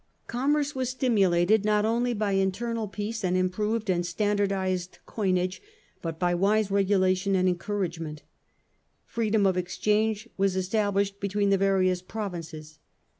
Com merce was stimulated not only by internal peace and improved and standardised coinage, but by wise regula tion and encouragement. Freedom of exchange was established between the various Provinces.